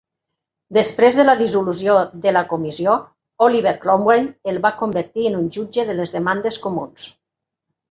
Després de la dissolució de la Comissió, Oliver Cromwell el va convertir en un jutge de les demandes comuns.